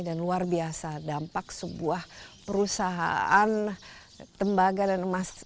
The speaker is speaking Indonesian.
dan luar biasa dampak sebuah perusahaan tembaga dan emas